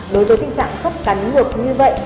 đối với tình trạng khớp cắn ngược như vậy